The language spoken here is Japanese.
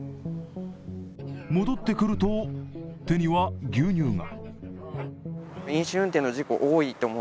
戻ってくると、手には牛乳が。